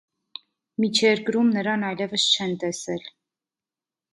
Միջերկրում նրան այլևս չեն տեսել։